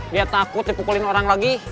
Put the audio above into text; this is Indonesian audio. dia takut dipukulin orang lagi